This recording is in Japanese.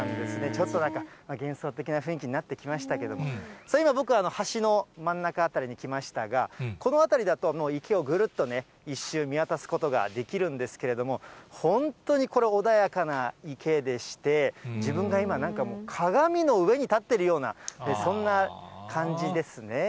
ちょっとなんか幻想的な雰囲気になってきましたけれども、今、僕、橋の真ん中辺りに来ましたが、この辺りだともう池をぐるっとね、１周見渡すことができるんですけれども、本当にこれ、穏やかな池でして、自分が今、なんか鏡の上に立ってるような、そんな感じですね。